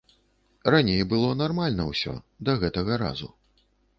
Раней было нармальна ўсё, да гэтага разу.